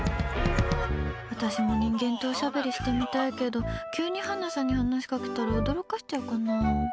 私も人間とおしゃべりしてみたいけど急にハナさんに話しかけたら驚かせちゃうかな。